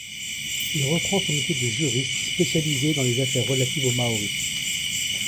Il reprend son métier de juriste, spécialisé dans les affaires relatives aux Māori.